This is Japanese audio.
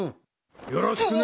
よろしくね。